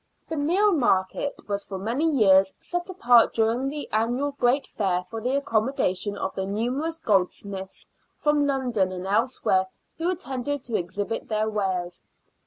The Meal Market was for many years set apart during the annual great fair for the accommodation of the numerous goldsmiths from London and elsewhere who attended to exhibit their wares.